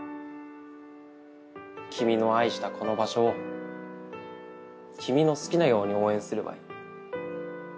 君の愛したこの場所を君の好きなように応援すればいい。